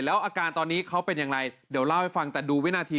แล้วอาการตอนนี้เขาเป็นอย่างไร